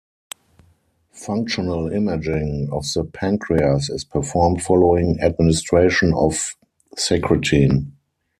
Functional imaging of the pancreas is performed following administration of secretin.